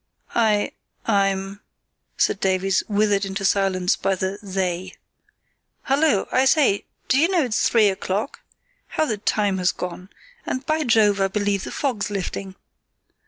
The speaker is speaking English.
"H'm," said Davies, withered into silence by the "they". "Hullo! I say, do you know it's three o'clock? How the time has gone! And, by Jove! I believe the fog's lifting."